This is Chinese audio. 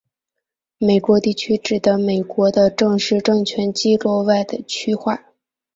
美国地区指的美国的正式政权机构外的区划。